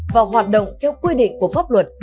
vào hoạt động theo quy định của pháp luật